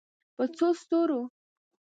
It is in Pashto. په څو ستورو